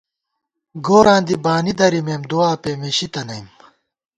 گوراں دی بانی درِمېم دُعا پېمېشی تنئیم